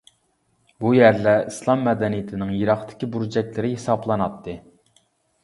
بۇ يەرلەر ئىسلام مەدەنىيىتىنىڭ يىراقتىكى بۇرجەكلىرى ھېسابلىناتتى.